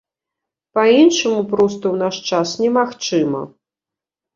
Па-іншаму проста ў наш час немагчыма.